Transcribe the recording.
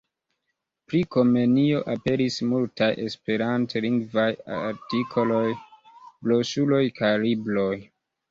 Pri Komenio aperis multaj esperantlingvaj artikoloj, broŝuroj kaj libroj.